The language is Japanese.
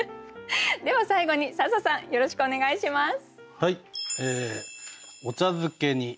では最後に笹さんよろしくお願いします。